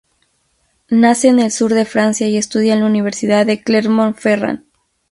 Nace en el sur de Francia y estudia en la Universidad de Clermont-Ferrand.